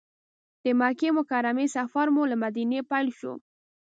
د مکې مکرمې سفر مو له مدینې پیل شو.